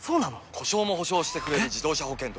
故障も補償してくれる自動車保険といえば？